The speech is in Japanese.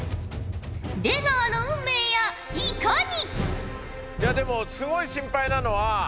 出川の運命やいかに！？